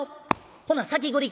ほな先繰り